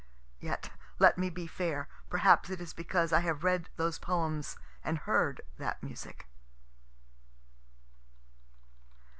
(Yet let me be fair, perhaps it is because I have read those poems and heard that music.)